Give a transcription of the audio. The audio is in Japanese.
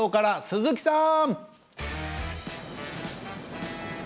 鈴木さん！